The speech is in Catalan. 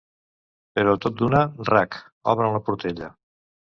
Però tot d'una... rac!... obren la portella.